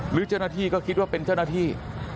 หรือเจ้าหน้าที่ก็คิดว่าเป็นเจ้าหน้าที่